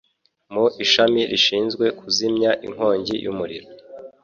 mu ishami rishinzwe kuzimya inkongi y'umuriro